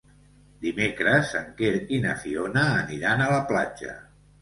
Dimecres en Quer i na Fiona aniran a la platja.